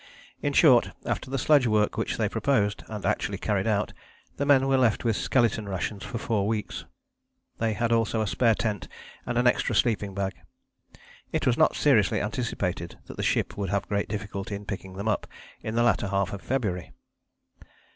In short, after the sledge work which they proposed, and actually carried out, the men were left with skeleton rations for four weeks. They had also a spare tent and an extra sleeping bag. It was not seriously anticipated that the ship would have great difficulty in picking them up in the latter half of February.